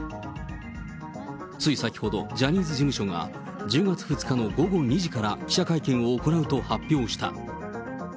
つい先ほど、ジャニーズ事務所が１０月２日の午後２時から記者会見を行うと発表した。